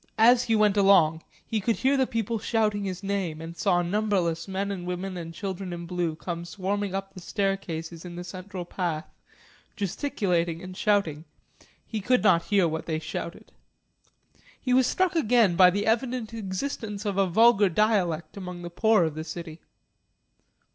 As he went along, he could hear the people shouting his name, and saw numberless men and women and children in blue come swarming up the staircases in the central path, gesticulating and shouting. He could not hear what they shouted. He was struck again by the evident existence of a vulgar dialect among the poor of the city.